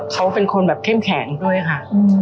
เขาเป็นคนแบบเข้มแข็งด้วยค่ะ